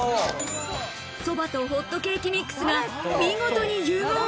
そばとホットケーキミックスが見事に融合。